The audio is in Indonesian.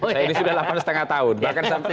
saya ini sudah delapan setengah tahun bahkan